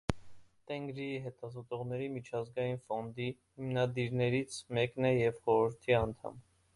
«Տենգրի հետազոտողների միջազգային ֆոնդի» հիմնադիրներից մեկն է և խորհրդի անդամ։